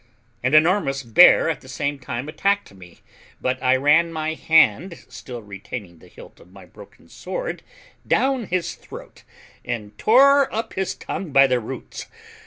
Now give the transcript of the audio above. An enormous bear at the same time attacked me, but I ran my hand still retaining the hilt of my broken sword down his throat, and tore up his tongue by the roots.